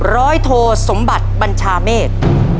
โทสมบัติบัญชาเมฆ